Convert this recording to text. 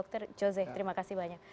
terima kasih banyak